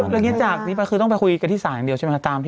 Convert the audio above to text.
แล้วจากนี้ไปคือต้องไปคุยกันที่ศาลอย่างเดียวใช่มั้ยคะ